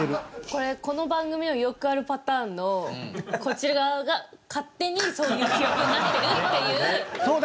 これこの番組のよくあるパターンのこっち側が勝手にそういう記憶になってるっていう。